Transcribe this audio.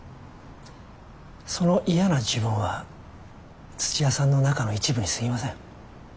その嫌な自分は土屋さんの中の一部にすぎません。